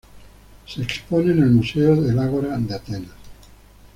Se expone en el Museo del Ágora de Atenas.